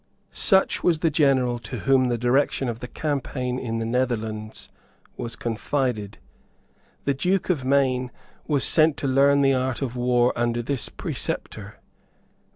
Such was the general to whom the direction of the campaign in the Netherlands was confided. The Duke of Maine was sent to learn the art of war under this preceptor.